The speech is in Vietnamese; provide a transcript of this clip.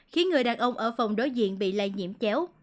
khiến người đàn ông ở phòng đối diện bị lây nhiễm chéo